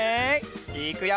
いくよ！